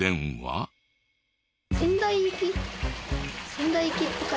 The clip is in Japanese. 仙台行き。